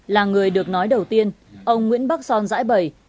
là người được nói đầu tiên ông nguyễn bắc son giãi bẩy